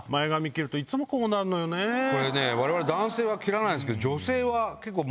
我々男性は切らないですけど。